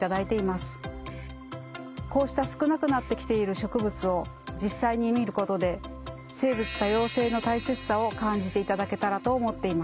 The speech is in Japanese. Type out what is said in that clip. こうした少なくなってきている植物を実際に見ることで生物多様性の大切さを感じていただけたらと思っています。